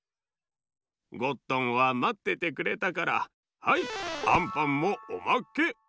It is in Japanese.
ゴットンはまっててくれたからはいアンパンもおまけ。